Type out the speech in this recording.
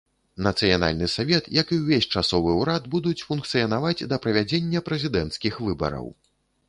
Нацыянальны савет, як і ўвесь часовы ўрад, будуць функцыянаваць да правядзення прэзідэнцкіх выбараў.